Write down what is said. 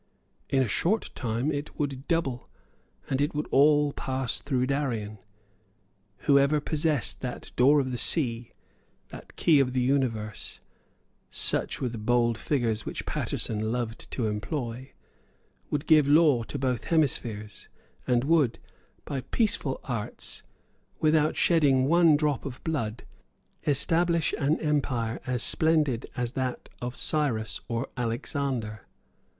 In a short time it would double; and it would all pass through Darien. Whoever possessed that door of the sea, that key of the universe, such were the bold figures which Paterson loved to employ, would give law to both hemispheres; and would, by peaceful arts, without shedding one drop of blood, establish an empire as splendid as that of Cyrus or Alexander.